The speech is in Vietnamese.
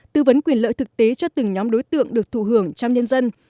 tư vấn quyền lợi thực tế cho từng nhóm đối tượng được thụ hưởng trong nhân dân